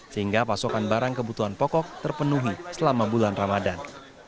sehingga pasokan barang kebutuhan pokok terpenuhi selama bulan ramadan